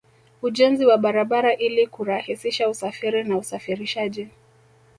Ujenzi wa barabara ili kurahisisha usafiri na usafirishaji